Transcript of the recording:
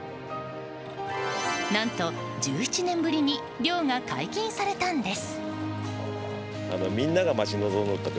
何と１７年ぶりに漁が解禁されたんです。